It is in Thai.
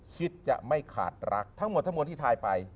คิดจะไม่ขาดรักทั้งหมดทั้งมวลที่ทายไป